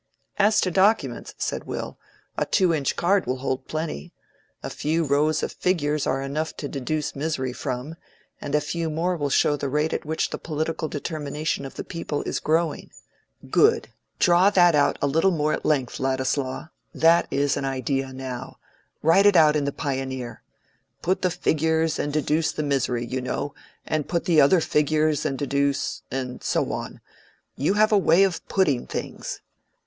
"As to documents," said Will, "a two inch card will hold plenty. A few rows of figures are enough to deduce misery from, and a few more will show the rate at which the political determination of the people is growing." "Good: draw that out a little more at length, Ladislaw. That is an idea, now: write it out in the 'Pioneer.' Put the figures and deduce the misery, you know; and put the other figures and deduce—and so on. You have a way of putting things.